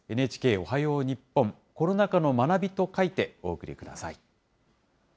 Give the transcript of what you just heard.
おはよう日本コロナ禍の学びと書いてお送りください。